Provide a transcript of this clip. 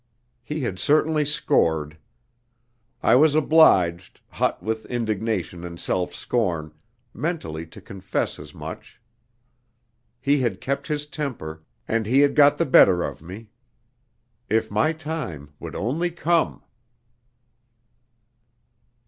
He had certainly scored. I was obliged, hot with indignation and self scorn, mentally to confess as much. He had kept his temper, and he had got the better of me. If my time would only come!